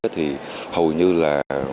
thì hầu như là